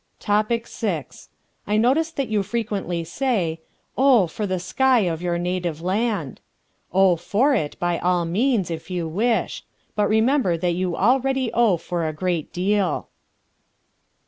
Topic VI. I notice that you frequently say, "Oh, for the sky of your native land." Oh, for it, by all means, if you wish. But remember that you already owe for a great deal.